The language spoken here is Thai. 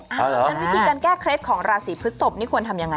งั้นวิธีการแก้เคล็ดของราศีพฤศพนี่ควรทำยังไง